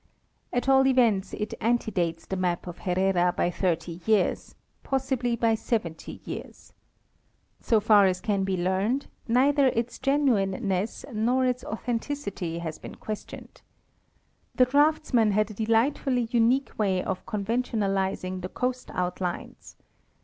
At all events it antedates the map of Herrera by thirty years—pos sibly by seventy years. So far as can be learned, neither its genuineness nor its authenticity has been questioned. The draftsman had a delightfully unique way of conventionalizing the coast outlines.